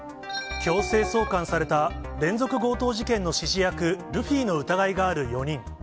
強制送還された連続強盗事件の指示役、ルフィの疑いがある４人。